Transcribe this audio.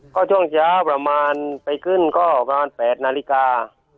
ก็ช่วงเช้าประมาณไปขึ้นก็ประมาณ๘นาฬิกา